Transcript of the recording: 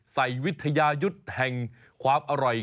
ใส่วิทยายุทธ์แห่งความอร่อย